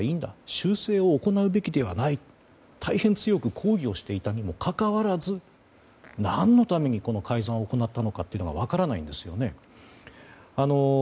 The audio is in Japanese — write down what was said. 修正を行うべきではないと大変強く抗議していたにもかかわらず、何のためにこの改ざんを行ったのかが分からないんですよね。